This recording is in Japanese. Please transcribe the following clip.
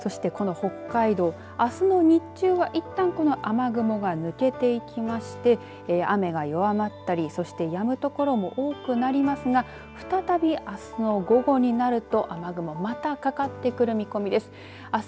そして、この北海道あすの日中はいったん、この雨雲が抜けていきまして雨が弱まったりそしてやむ所も多くなりますが再び、あすの午後になると雨雲また、かかってくる見込みです。